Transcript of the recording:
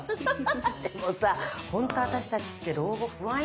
でもさほんと私たちって老後不安よね。